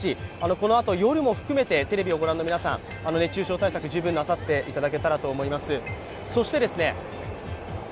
このあと夜も含めて、テレビをご覧の皆さん、熱中症対策、十分なさっていただけたらと思います。